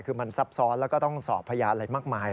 คือมันซับซ้อนแล้วก็ต้องสอบพยานอะไรมากมาย